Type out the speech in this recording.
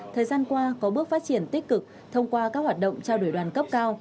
thời gian qua có bước phát triển tích cực thông qua các hoạt động trao đổi đoàn cấp cao